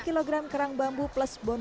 sekarang sampai ke bar'